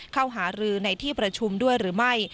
หารือในที่ประชุมด้วยหรือไม่